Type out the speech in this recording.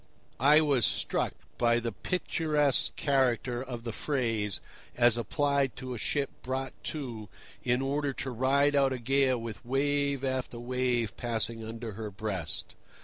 I was struck by the picturesque character of the phrase as applied to a ship brought to in order to ride out a gale with wave after wave passing under her breast.